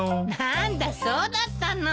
何だそうだったの。